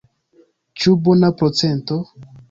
Ĉu bona procento?